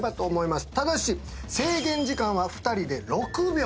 ただし制限時間は２人で６秒。